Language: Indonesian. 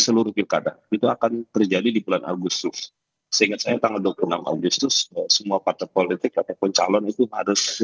ya bisa jadi itu yang terjadi di dalam perusahaan ini jadi itu yang terjadi di dalam perusahaan ini jadi